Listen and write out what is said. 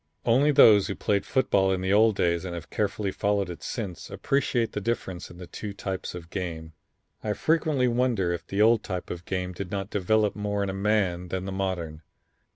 "Only those who played football in the old days and have carefully followed it since appreciate the difference in the two types of game. I frequently wonder if the old type of game did not develop more in a man than the modern.